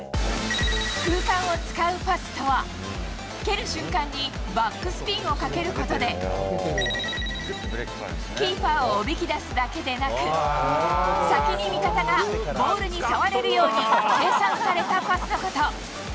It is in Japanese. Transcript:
空間を使うパスとは、蹴る瞬間にバックスピンをかけることで、キーパーをおびき出すだけでなく、先に味方がボールに触れるように計算されたパスのこと。